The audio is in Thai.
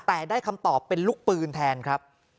แต่ได้คำตอบเป็นลูกปืนแทนครับ